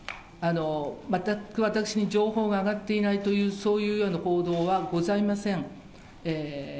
全く私に情報が上がっていないというようなはございません。